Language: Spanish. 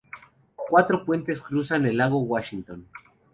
Cuatro puentes cruzan el lago Washington.